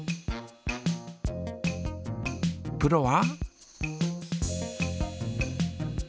プロは？